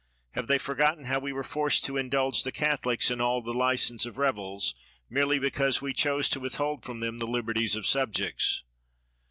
Have they forgotten how we were forced to indulge the Catholics in all the license of rebels, merely because we chose to withhold from them the liberties of subjects?